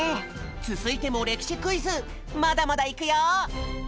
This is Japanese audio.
続いても歴史クイズまだまだいくよ！